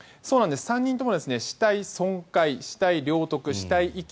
３人とも死体損壊死体領得、死体遺棄